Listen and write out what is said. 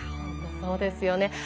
そうですよね。